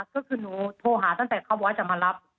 ก็คือหนูโทรหาตั้งแต่เขาบอกว่าจะมารับ